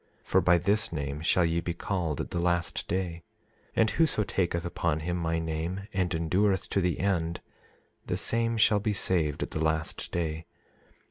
For by this name shall ye be called at the last day; 27:6 And whoso taketh upon him my name, and endureth to the end, the same shall be saved at the last day.